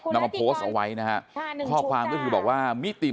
นำมาโพสเอาไว้ข้อความก้อว่ามิติใหม่